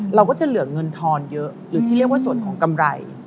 เราก็จะเหลือเงินทอนเยอะหรือที่เรียกว่าส่วนของกำไร